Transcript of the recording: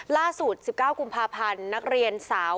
ล่าสุด๑๙กุมภาพันธ์นักเรียนสาว